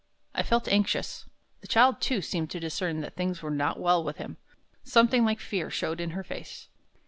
I felt anxious. The child, too, seemed to discern that things were not well with him. Something like fear showed in her face.